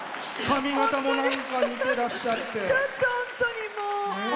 髪形も似てらっしゃって。